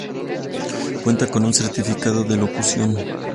Cuenta con un certificado de locución.